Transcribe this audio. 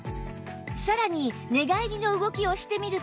さらに寝返りの動きをしてみると